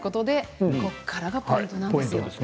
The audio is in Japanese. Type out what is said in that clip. ここからがポイントです。